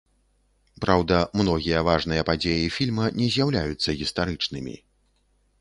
Праўда, многія важныя падзеі фільма не з'яўляюцца гістарычнымі.